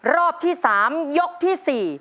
รอบที่สามยกที่สี่